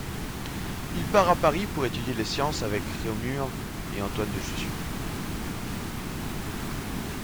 Il part à Paris pour étudier les sciences avec Réaumur et Antoine de Jussieu.